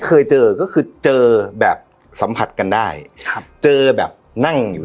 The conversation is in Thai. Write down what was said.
เคยเจอก็คือเจอแบบสัมผัสกันได้ครับเจอแบบนั่งอยู่